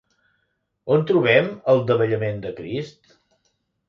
On trobem el davallament de Crist?